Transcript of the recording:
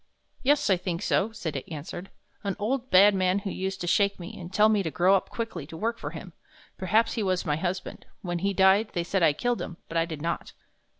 "Yes, I think so," Sita answered; "an old, bad man who used to shake me, and tell me to grow up quickly to work for him; perhaps he was my husband. When he died, they said I killed him, but I did not."